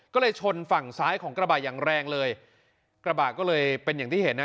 ก็เลยชนฝั่งซ้ายของกระบะอย่างแรงเลยกระบะก็เลยเป็นอย่างที่เห็นนะ